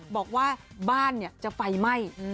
บอกว่าบ้านเนี่ยจะไฟไหม้